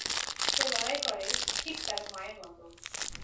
সে লড়াই করে ঠিক তার মায়ের মত।